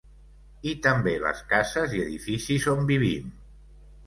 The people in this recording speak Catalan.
I també les cases i edificis on vivim.